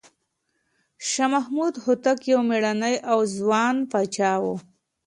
شاه محمود هوتک یو مېړنی او ځوان پاچا و.